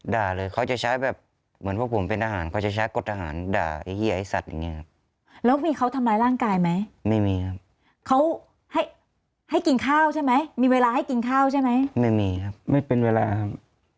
ด่าเลยเขาจะใช้แบบเหมือนพวกผมเป็นอาหารเขาจะใช้กฎทหารด่าไอ้เฮียไอ้สัตว์อย่างเงี้ครับแล้วมีเขาทำร้ายร่างกายไหมไม่มีครับเขาให้ให้กินข้าวใช่ไหมมีเวลาให้กินข้าวใช่ไหมไม่มีครับไม่เป็นเวลาครับ